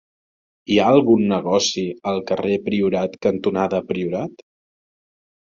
Hi ha algun negoci al carrer Priorat cantonada Priorat?